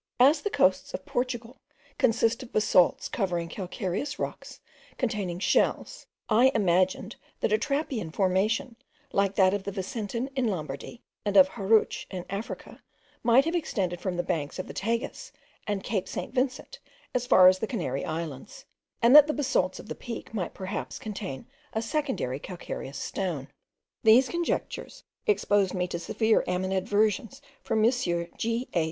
As the coasts of Portugal consist of basalts covering calcareous rocks containing shells, I imagined that a trappean formation, like that of the Vicentin in Lombardy, and of Harutsh in Africa, might have extended from the banks of the Tagus and Cape St. Vincent as far as the Canary Islands; and that the basalts of the Peak might perhaps conceal a secondary calcareous stone. These conjectures exposed me to severe animadversions from M. G.A.